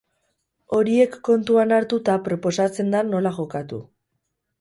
Horiek kontuan hartuta proposatzen da nola jokatu.